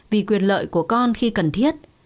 vì quyền lợi của con khi cần thiết